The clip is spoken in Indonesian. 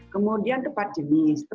kemudian tepat jenis